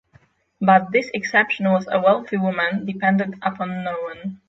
But this exception is a wealthy woman, dependent upon no one.